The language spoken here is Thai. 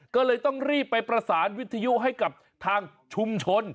ก็เลยต้องรีบไปประสานวิทยุให้กับทางชุมชน